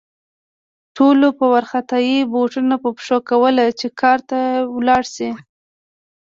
ټولو په وارخطايي بوټونه په پښو کول چې کار ته لاړ شي